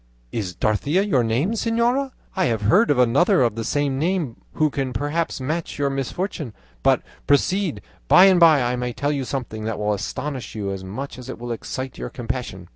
is Dorothea your name, señora? I have heard of another of the same name who can perhaps match your misfortunes. But proceed; by and by I may tell you something that will astonish you as much as it will excite your compassion."